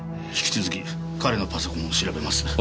引き続き彼のパソコンを調べます。